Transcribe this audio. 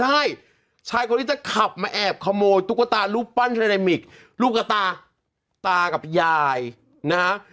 เอาไว้ได้ชายคนที่จะขับมาแอบขโมยตุ๊กตารูปปั้นเทรนมิกลูกตาตากับยายนะฮะ